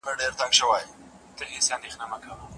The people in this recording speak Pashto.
هیچا ته د سپکاوي اجازه نه وه.